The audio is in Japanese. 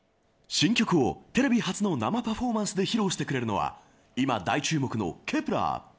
新曲をテレビ初の生パフォーマンスで披露してくれるのは今大注目のＫｅｐ１ｅｒ。